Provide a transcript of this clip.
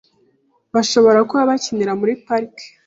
Bashobora kuba bakinira muri parike .